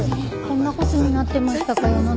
こんなことになってましたか世の中は。